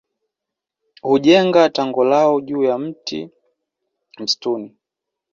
Hujenga tago lao juu ya mti msituni.